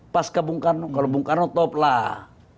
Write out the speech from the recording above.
pasca bung karno kalau bung karno top lah